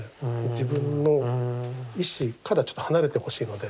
自分の意思からちょっと離れてほしいので。